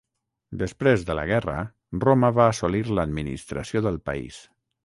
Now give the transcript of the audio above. Després de la guerra, Roma va assolir l'administració del país.